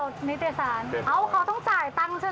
ตกหนิตยสารเอาเขาต้องจ่ายเงิน